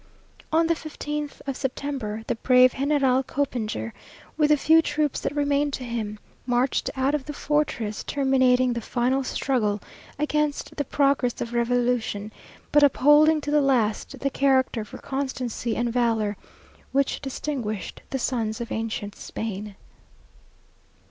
On the fifteenth of September, the brave General Copinger, with the few troops that remained to him, marched out of the fortress, terminating the final struggle against the progress of revolution, but upholding to the last the character for constancy and valour which distinguished the sons of ancient Spain.